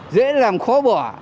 dễ làm khó bỏ